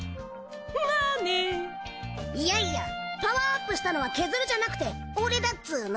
まーねーいやいやパワーアップしたのはケズルじゃなくてオレだっつーの！